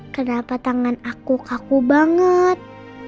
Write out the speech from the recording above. kenapa tangan aku kaku banget